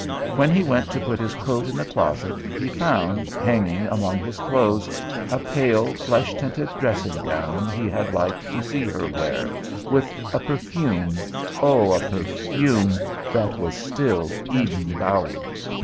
When he went to put his coat in the closet, he found, hanging among his clothes, a pale, flesh tinted dressing gown he had liked to see her wear, with a perfume oh, a perfume that was still Eden Bower!